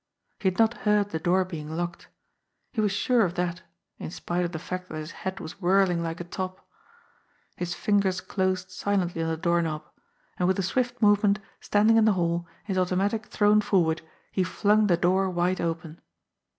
He had not heard the door being locked. He was sure of that, in spite of the fact that his head was whirling like t top. His fingers closed silently on the doorknob and witb a swift movement, standing in the hall, his automatic thrown forward, he flung the door wide open.